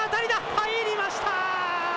入りました！